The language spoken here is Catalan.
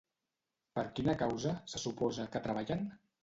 Per quina causa, se suposa, que treballen?